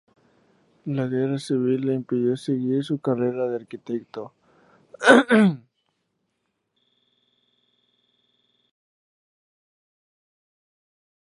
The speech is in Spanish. La Guerra Civil le impidió seguir su carrera de arquitecto.